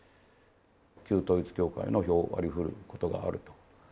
旧統一教会の票をわりふることがあると。